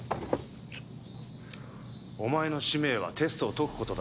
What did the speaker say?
お前の使命はテストを解く事だ。